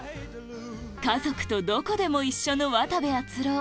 家族とどこでも一緒の渡部篤郎